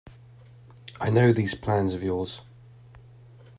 I know these plans of yours.